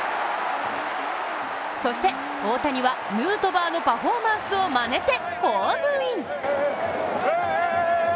そして大谷はヌートバーのパフォーマンスをまねてホームイン。